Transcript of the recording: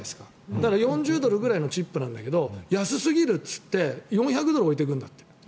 だから４０ドルくらいのチップなんだけど安すぎると言って４００ドル置いていくんだって。